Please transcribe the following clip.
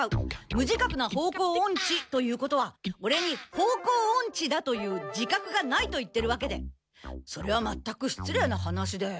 「無自覚な方向オンチ」ということはオレに「方向オンチだという自覚がない」と言ってるわけでそれはまったく失礼な話で。